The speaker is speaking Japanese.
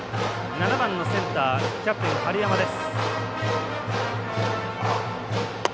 ７番のセンターキャプテンの春山です。